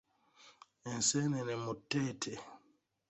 Enseenene mu tteete.